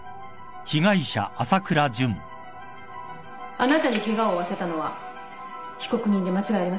あなたにケガを負わせたのは被告人で間違いありませんか？